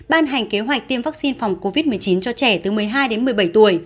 ban hành kế hoạch tiêm vaccine phòng covid một mươi chín cho trẻ từ một mươi hai đến một mươi bảy tuổi